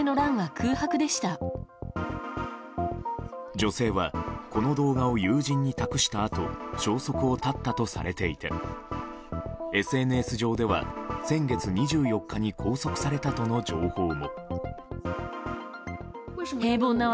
女性はこの動画を友人に託したあと消息を絶ったとされていてＳＮＳ上では先月２４日に拘束されたとの情報も。